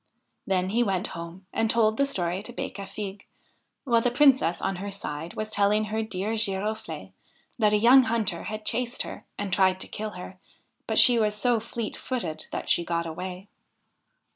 Then he went home and told the story to Becafigue, while the Princess on her side was telling her dear Giroflee that a young hunter had chased her and tried to kill her, but she was so fleet footed that she got away.